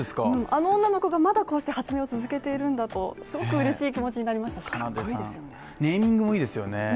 あの女の子がまだこうして発明を続けているんだとすごくうれしい気持ちになりましたかっこいいですよね。